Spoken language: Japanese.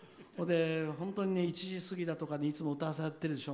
本当に、１時過ぎだとかにいつも歌わされてるでしょ。